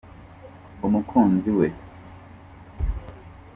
umukunzi we